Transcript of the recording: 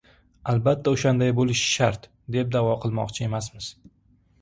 albatta o‘shanday bo‘lishi shart, deb da’vo qilmoqchi emasmiz.